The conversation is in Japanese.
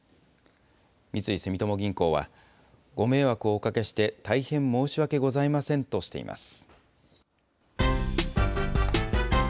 三井住友銀行は、ご迷惑をおかけして大変申し訳ございませんとしています。